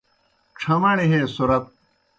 ڇھمَݨیْ ہے صُورت